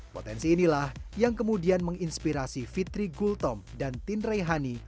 potensi inilah yang kemudian menginspirasi fitri gultom dan tindray hani